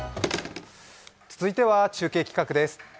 続いては中継企画です。